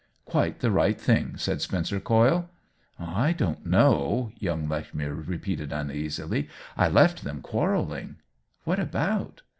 " Quite the right thing," said Spencer Coyle. "I don't know," young Lechmere re peated, uneasily. " I left them quarrelling." " What about